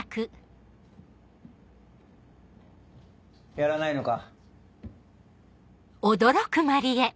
やらないのか？